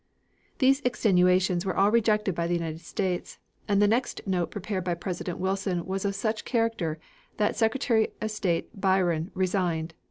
These extenuations were all rejected by the United States, and the next note prepared by President Wilson was of such character that Secretary of State Bryan resigned.